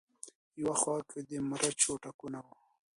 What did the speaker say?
يو خوا کۀ د مچرو ټکونه وو